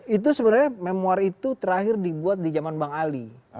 itu sebenarnya memor itu terakhir dibuat di zaman bang ali